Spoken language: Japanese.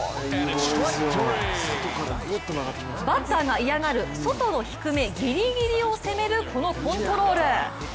バッターが嫌がる外の低めぎりぎりを攻めるこのコントロール。